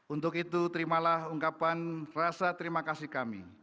untuk itu terimalah ungkapan rasa terima kasih kami